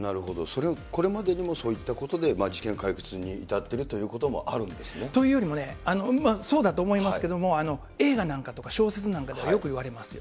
それを、これまでそういったことで事件解決に至っているというこというよりもね、そうだと思いますけども、映画なんかとか小説なんかでもよくいわれます。